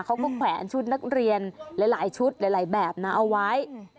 เขาก็แขวนชุดนักเรียนหลายชุดหลายแบบนะเอาไว้